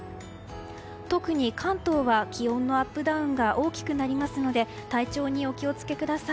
特に関東は気温のアップダウンが大きくなりますので体調にお気をつけください。